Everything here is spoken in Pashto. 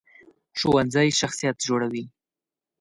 ښوونځی شخصیت جوړوي